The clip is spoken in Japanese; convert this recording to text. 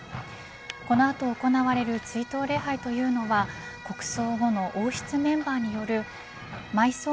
この後、行われる追悼礼拝というのは国葬後の王室にメンバーによる埋葬